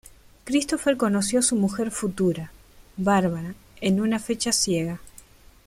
Christopher conoció su mujer futura, Barbara, en una fecha ciega.